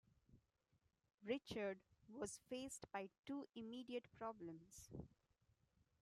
Richard was faced by two immediate problems.